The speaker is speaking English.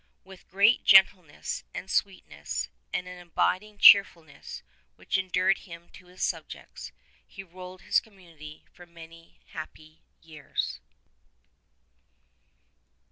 With great gentleness and sweetness, and an abiding cheerfulness which endeared him to his subjects, he ruled his community for many happy years.